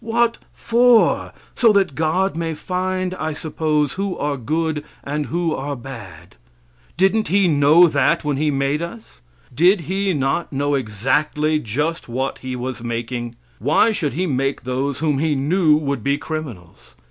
What for? So that God may find, I suppose, who are good and who are bad. Didn't He know that when He made us? Did He not know exactly just what He was making? Why should He make those whom He knew would be criminals?